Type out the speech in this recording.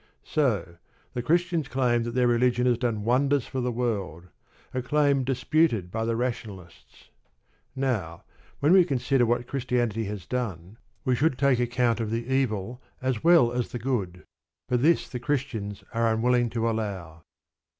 So: the Christians claim that their religion has done wonders for the world; a claim disputed by the Rationalists. Now, when we consider what Christianity has done, we should take account of the evil as well as the good. But this the Christians are unwilling to allow.